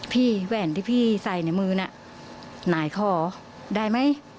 พี่แว่นที่พี่ใส่ในมือนายขอได้ไหม